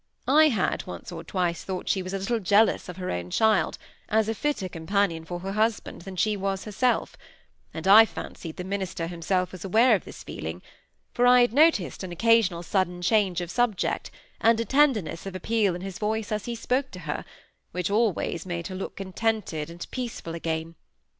I had once or twice thought she was a little jealous of her own child, as a fitter companion for her husband than she was herself; and I fancied the minister himself was aware of this feeling, for I had noticed an occasional sudden change of subject, and a tenderness of appeal in his voice as he spoke to her, which always made her look contented and peaceful again.